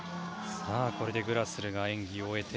グラスルが演技を終えて